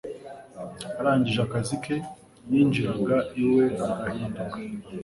arangije akazi ke, yinjiraga iwe agahinduka